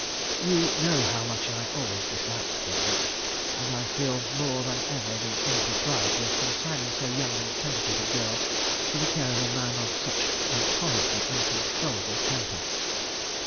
You know how much I always disliked the match, and I feel more than ever the impropriety of consigning so young and sensitive a girl to the care of a man of such notoriously uncontrollable temper.